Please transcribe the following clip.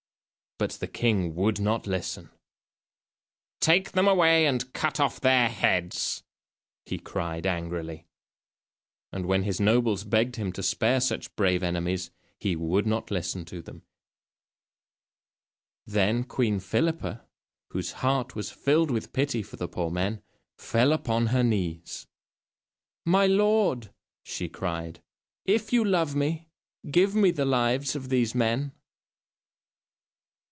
But the king would not listen. "Take them away and cut off their heads," he cried angrily. And when his nobles begged him to spare such brave enemies he would not listen to them. [Illustration: QUEEN PHILIPPA PLEADS FOR THE MEN OF CALAIS] Then Queen Philippa, whose heart was filled with pity for the poor men, fell upon her knees. "My lord," she cried, "if you love me, give me the lives of these men."